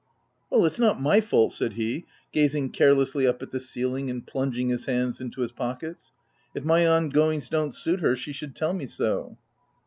" Well — it's not my fault," said he, gazing carelessly up at the ceiling and plunging his hands into his pockets : 6i if my ongoings don't suit her, she should tell me so."